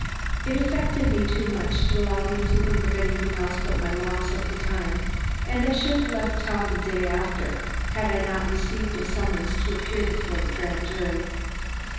It affected me too much to allow me to think of anything else but my loss, at the time, and I should have left town the day after, had I not received a summons to appear before the grand jury.